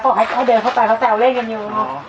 ค่อยเด้อเข้าไปเขาแซวเล่นกันอยู่